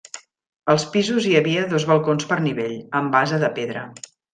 Als pisos hi havia dos balcons per nivell, amb base de pedra.